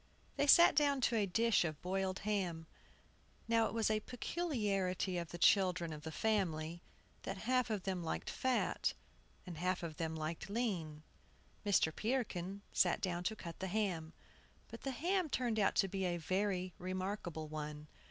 They sat down to a dish of boiled ham. Now it was a peculiarity of the children of the family, that half of them liked fat, and half liked lean. Mr. Peterkin sat down to cut the ham. But the ham turned out to be a very remarkable one.